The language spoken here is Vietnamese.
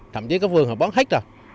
thậm chí các vườn họ bán hết rồi